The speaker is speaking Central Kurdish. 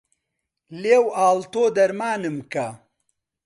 لێو ئاڵ تۆ دەرمانم کە